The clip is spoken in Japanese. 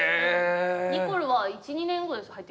ニコルは１２年後です入ってきたの。